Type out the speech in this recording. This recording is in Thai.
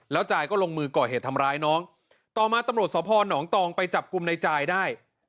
จายก็ลงมือก่อเหตุทำร้ายน้องต่อมาตำรวจสพนตองไปจับกลุ่มในจายได้